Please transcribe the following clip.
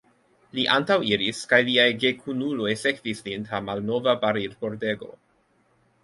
Li antaŭiris, kaj liaj gekunuloj sekvis lin tra malnova barilpordego.